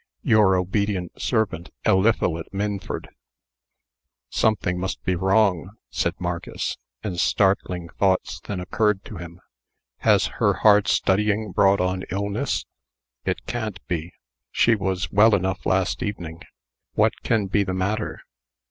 Your obedient servant, ELIPHALET MINFORD." "Something must be wrong," said Marcus; and startling thoughts then occurred to him. "Has her hard studying brought on illness? It can't be. She was well enough last evening. What can be the matter?"